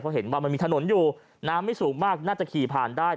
เพราะเห็นว่ามันมีถนนอยู่น้ำไม่สูงมากน่าจะขี่ผ่านได้